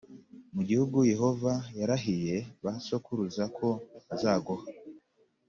mu gihugu Yehova yarahiye ba sokuruza ko azaguha.